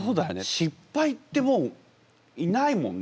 失敗ってもういないもんね